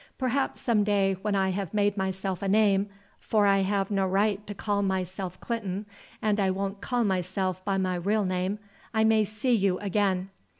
Perhaps some day when I have made myself a name for I have no right to call myself Clinton, and I won't call myself by my real name I may see you again.